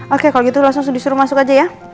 oke kalau gitu langsung disuruh masuk aja ya